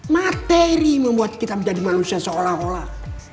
materi membuat kita menjadi manusia seolah olah